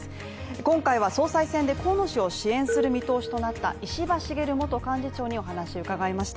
今回は総裁選で河野氏を支援する見通しとなった石破茂元幹事長にお話を伺いました。